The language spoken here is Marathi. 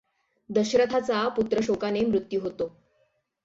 दशरथाचा पुत्रशोकाने मृत्यू होतो.